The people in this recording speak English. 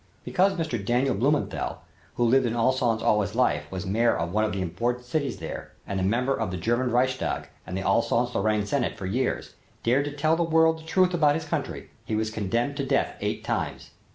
Because Mr. Daniel Blumenthal, who lived in Alsace all his life, was mayor of one of the important cities there and a member of the German Reichstag and the Alsace Lorraine Senate for years, dared to tell the world the truth about his country, he was condemned to death eight times.